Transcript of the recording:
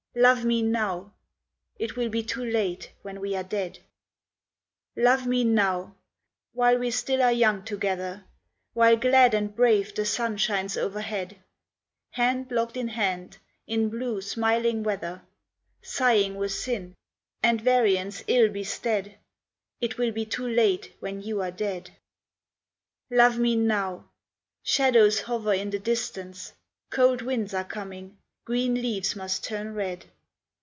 Love me now ! It will be too late when we are dead ! Love me now ! While we still are young together, While glad and brave the sun shines overhead, Hand locked in hand, in blue, smiling weather. Sighing were sin, and variance ill bestead ; It will be too late when you are dead ! Love me now ! Shadows hover in the distance, Cold winds are coming, green leaves must turn red.